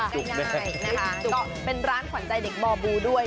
จุบได้เป็นร้านขวัญใจเด็กบ่อบูด้วย